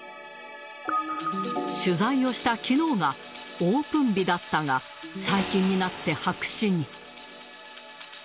取材をしたきのうがオープン日だったが、最近になって白紙に。